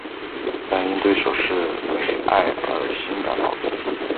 但因对手是美爱而心感矛盾。